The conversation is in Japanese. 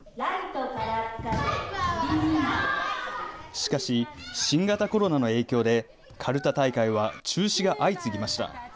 しかし、新型コロナの影響で、かるた大会は中止が相次ぎました。